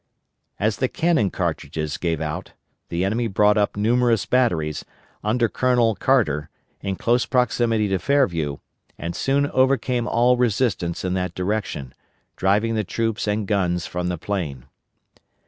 As the cannon cartridges gave out, the enemy brought up numerous batteries, under Colonel Carter, in close proximity to Fairview, and soon overcame all resistance in that direction, driving the troops and guns from the plain.